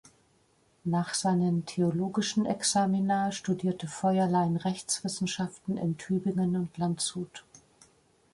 Nach seinen theologischen Examina studierte Feuerlein Rechtswissenschaften in Tübingen und Landshut.